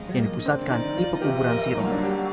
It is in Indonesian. yang dipusatkan di pekuburan siro